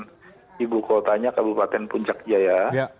ketika mereka dijemput ketika akan kembali ke kabupaten puncak jaya